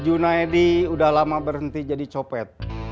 si junaid udah lama berhenti jadi copet